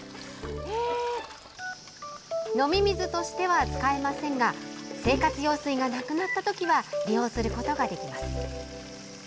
飲み水としては使えませんが生活用水がなくなった時は利用することができます。